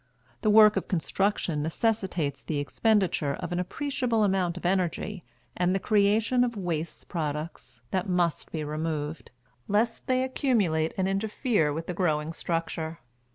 The work of construction necessitates the expenditure of an appreciable amount of energy and the creation of waste products that must be removed, lest they accumulate and interfere with the growing structure.